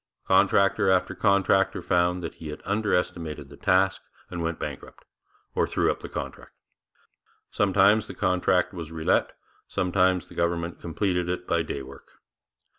Contractor after contractor found that he had underestimated the task, and went bankrupt or threw up the contract. Sometimes the contract was relet, sometimes the government completed it by day work.